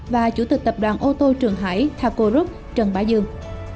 và chủ tịch tập đoàn ô tô trường hải thaco rút trần bá dương